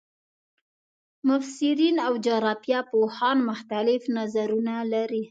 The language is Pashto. مفسرین او جغرافیه پوهان مختلف نظرونه لري.